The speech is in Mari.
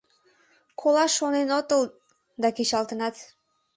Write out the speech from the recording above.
— Колаш шонен отыл, да кечалтынат.